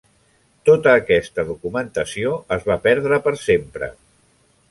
Tota aquesta documentació es va perdre per sempre.